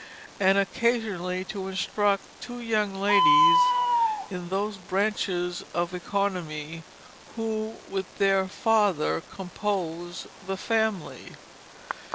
and occasionally to instruct two young Ladies in those Branches of Oeconomy, who, with their father, compose the Family.